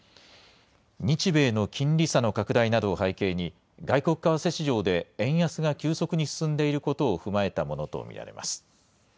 日米の金利差の拡大などを背景に、外国為替市場で円安が急速に進んでいることを踏まえたものと見られます。